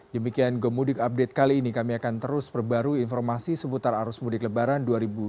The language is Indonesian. demikian gomudik update kali ini kami akan terus perbarui informasi seputar arus mudik lebaran dua ribu dua puluh